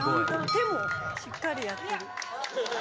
手もしっかりやってる。